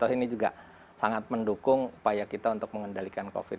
ini juga sangat mendukung upaya kita untuk mengendalikan covid